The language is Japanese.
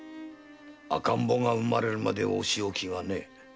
赤ん坊が産まれるまでお仕置きはねえ。